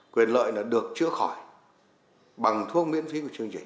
quyền lợi là được chữa khỏi bằng thuốc miễn phí của chương trình